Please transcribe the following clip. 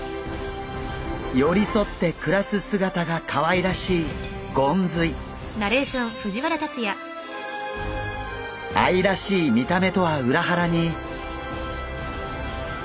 寄り添って暮らす姿がかわいらしい愛らしい見た目とは裏腹に。